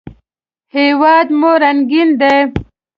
هېواد مو رنګین دی